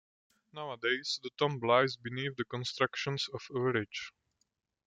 Nowadays, the tomb lies beneath the constructions of a village.